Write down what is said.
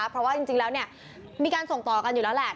เพราะว่าจริงแล้วมีการส่งต่อกันอยู่แล้วแหละ